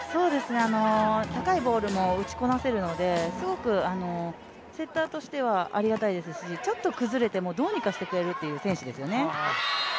高いボールも打ちこなせるので、すごくセッターとしてはありがたいですしちょっと崩れてもどうにかしてくれるという選手ですよね。